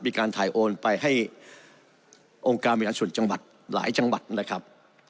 มีการถ่ายโอนไปให้องค์กราบมาอย่างสุขบันหลายหลายจังหวัดนะครับ